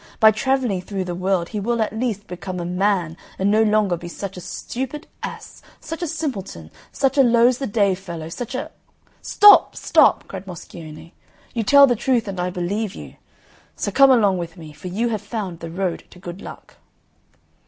By travelling through the world he will at least become a man, and no longer be such a stupid ass, such a simpleton, such a lose the day fellow, such a '" "Stop, stop!" cried Moscione, "you tell the truth and I believe you. So come along with me, for you have found the road to good luck."